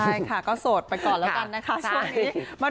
ใช่ค่ะก็โสดไปก่อนแล้วกันนะคะช่วงนี้